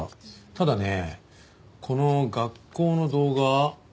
ただねこの学校の動画